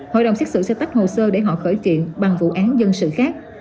hội đồng xét xử sẽ tắt hồ sơ để họ khởi triện bằng vụ án dân sự khác